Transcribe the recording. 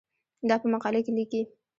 دا په مقاله کې لیکې.